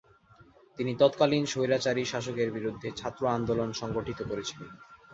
তিনি তৎকালীন স্বৈরাচারী শাসকের বিরুদ্ধে ছাত্র আন্দোলন সংগঠিত করেছিলেন।